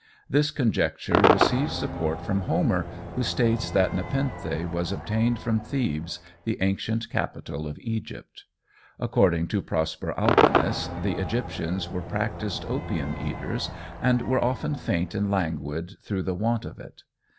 This conjecture receives support from Homer, who states that Nepenthe was obtained from Thebes, the ancient capital of Egypt. According to Prosper Alpinus, the Egyptians were practised opium eaters, and were often faint and languid through the want of it.